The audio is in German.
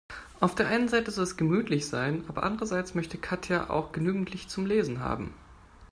Auf der einen Seite soll es gemütlich sein, aber andererseits möchte Katja auch genügend Licht zum Lesen haben.